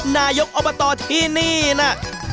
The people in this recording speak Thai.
นายกออกมาต่อที่นี่นะ